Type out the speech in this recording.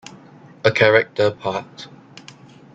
A character part.